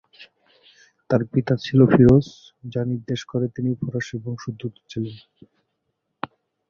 তার পিতার নাম ছিল ফিরোজ, যা নির্দেশ করে তিনি ফরাসি বংশোদ্ভুত ছিলেন।